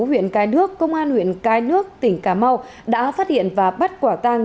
huyện cai nước công an huyện cai nước tỉnh cà mau đã phát hiện và bắt quả tăng